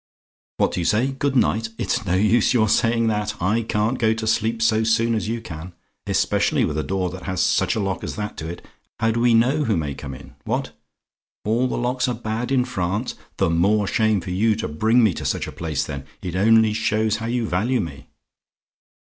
"What do you say? "GOOD NIGHT? "It's no use your saying that I can't go to sleep so soon as you can. Especially with a door that has such a lock as that to it. How do we know who may come in? What? "ALL THE LOCKS ARE BAD IN FRANCE? "The more shame for you to bring me to such a place, then. It only shows how you value me.